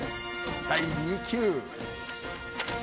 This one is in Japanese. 第２球。